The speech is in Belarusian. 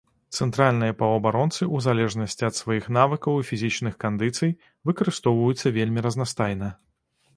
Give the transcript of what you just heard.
Цэнтральныя паўабаронцы, у залежнасці ад сваіх навыкаў і фізічных кандыцый, выкарыстоўваюцца вельмі разнастайна.